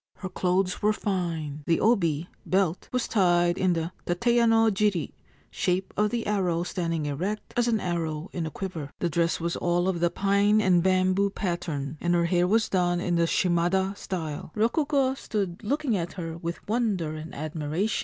Her clothes were fine. The obi (belt) was tied in the tateyanojiri (shape of the arrow standing erect, as an arrow in a quiver). The dress was all of the pine and bamboo pattern, and her hair was done in the shimada style. Rokugo stood looking at her with wonder and admiration.